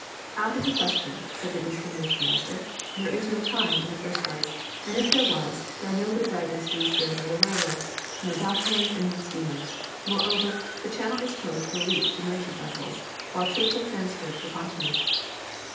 "Out of the question," said the distinguished Minister; "there is no time, in the first place, and if there was, there are no good wagons to be spared by the railways, no dock hands, and no steamers. Moreover, the Channel is closed for a week to merchant vessels, while troops are being transferred to the Continent."